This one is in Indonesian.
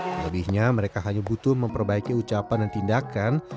selebihnya mereka hanya butuh memperbaiki ucapan dan tindakan